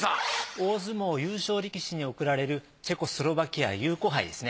大相撲優勝力士に贈られるチェコスロバキア友好杯ですね。